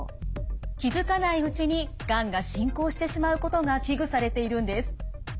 気づかないうちにがんが進行してしまうことが危惧されているんです。